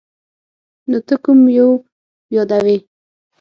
نو ته کوم یو یادوې ؟